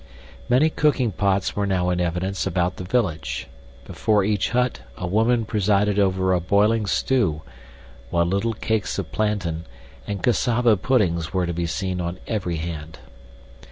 Many cooking pots were now in evidence about the village. Before each hut a woman presided over a boiling stew, while little cakes of plantain, and cassava puddings were to be seen on every hand.